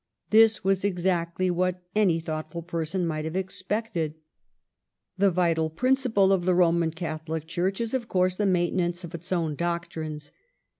This was exactly what any thought ful person might have expected. The vital prin ciple of the Roman Catholic Church is, of course, the maintenance of its own doctrines.